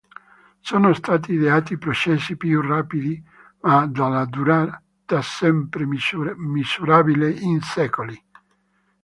Sono stati ideati processi più rapidi, ma dalla durata sempre misurabile in secoli.